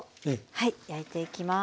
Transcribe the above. はい焼いていきます。